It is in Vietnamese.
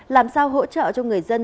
làm sao hỗ trợ cho người dân